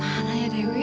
tahan aja dewi